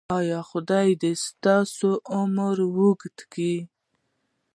ایا خدای دې ستاسو عمر اوږد کړي؟